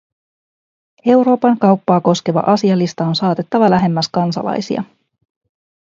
Euroopan kauppaa koskeva asialista on saatettava lähemmäs kansalaisia.